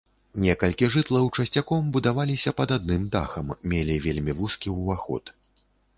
Некалькі жытлаў часцяком будаваліся пад адным дахам, мелі вельмі вузкі ўваход.